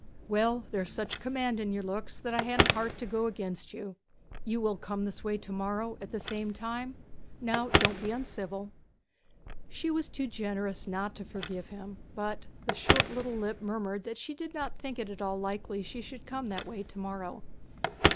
'Well, there's such command in your looks that I ha'n't heart to go against you. You will come this way to morrow at the same time? Now, don't be uncivil.' She was too generous not to forgive him, but the short little lip murmured that she did not think it at all likely she should come that way to morrow.